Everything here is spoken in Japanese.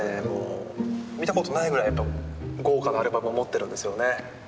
もう見たことないぐらい豪華なアルバムを持ってるんですよね。